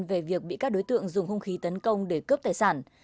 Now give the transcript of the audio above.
về việc bị các đối tượng dùng hung khí tấn công để cướp tài sản